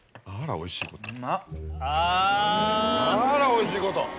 あらおいしいこと！